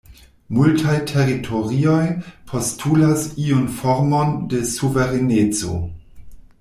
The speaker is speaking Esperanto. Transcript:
Multaj teritorioj postulas iun formon de suvereneco.